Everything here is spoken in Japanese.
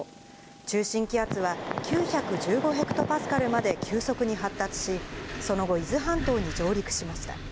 中心気圧は９１５ヘクトパスカルまで急速に発達し、その後、伊豆半島に上陸しました。